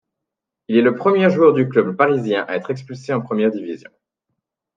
Il est le premier joueur du club parisien à être expulsé en première division.